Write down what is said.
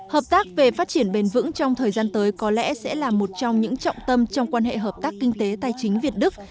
hợp tác về phát triển bền vững trong thời gian tới có lẽ sẽ là một trong những trọng tâm trong quan hệ hợp tác kinh tế tài chính việt đức